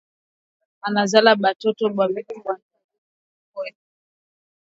Anazala batoto ba wili mwanamuke na mwanume